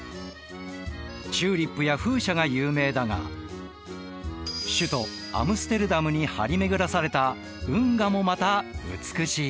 チューリップや風車が有名だが首都アムステルダムに張り巡らされた運河もまた美しい。